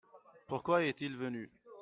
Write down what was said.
Pourquoi est-il venu ?